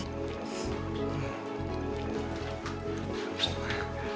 ค่ะ